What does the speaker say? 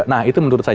nah itu menurut saya